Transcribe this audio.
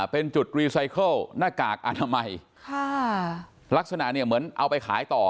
เป็นจุดรีไซเคิลหน้ากากอนามัยค่ะลักษณะเนี่ยเหมือนเอาไปขายต่อ